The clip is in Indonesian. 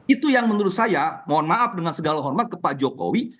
itu yang menurut saya mohon maaf dengan segala hormat ke pak jokowi